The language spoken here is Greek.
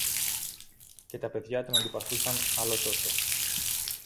Και τα παιδιά τον αντιπαθούσαν άλλο τόσο